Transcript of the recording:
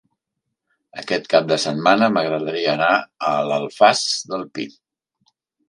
Aquest cap de setmana m'agradaria anar a l'Alfàs del Pi.